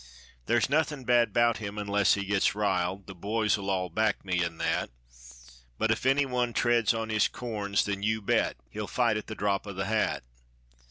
Thar's nothin' bad 'bout him unless he gets riled, The boys'll all back me in that; But if any one treads on his corns, then you bet He'll fight at the drop o' the hat.